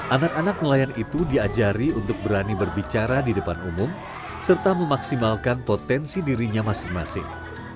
anak anak nelayan itu diajari untuk berani berbicara di depan umum serta memaksimalkan potensi dirinya masing masing